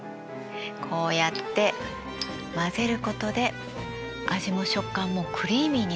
こうやって混ぜることで味も食感もクリーミーになるんです。